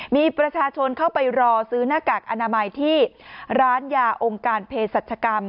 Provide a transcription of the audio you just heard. มีประชาชนเข้าไปรอซื้อหน้ากากอนามัยที่ร้านยาองค์การเพศรัชกรรม